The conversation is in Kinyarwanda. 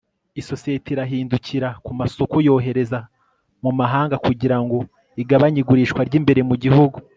Isosiyete irahindukira ku masoko yohereza mu mahanga kugira ngo igabanye igurishwa ryimbere mu gihugu